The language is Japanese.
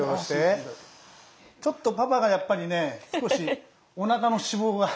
ちょっとパパがやっぱりね少しおなかの脂肪が。